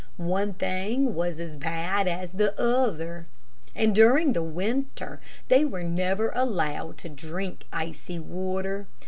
One thing was as bad as the other. And during the winter they were never allowed to drink icy water.